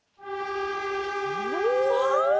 うわ！